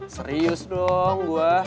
serius dong gue